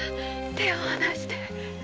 手を離して。